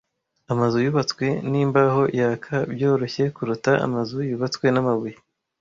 Amazu yubatswe nimbaho yaka byoroshye kuruta amazu yubatswe mumabuye.